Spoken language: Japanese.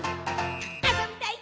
「あそびたい！